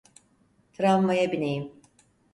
Tramvaya bineyim!